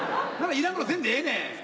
いらんことせんでええねん。